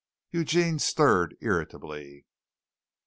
Eugene stirred irritably.